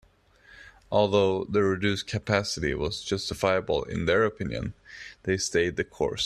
Although the reduced capacity was justifiable in their opinion, they stayed the course.